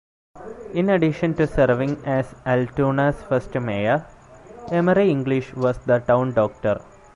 In addition to serving as Altoona's first mayor, Emory English was the town doctor.